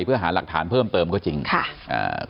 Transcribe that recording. เพื่อหาหลักฐานเพิ่มเติมก็จริงค่ะอ่า